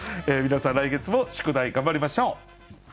皆さん来月も宿題頑張りましょう。